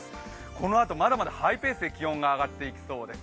このあと、まだまだハイペースで気温が上がっていきそうです。